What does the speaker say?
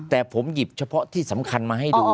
แต่ผมหยิบเฉพาะที่สำคัญมาให้ดู